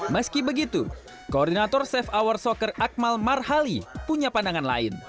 meski begitu koordinator safe hour soccer akmal marhali punya pandangan lain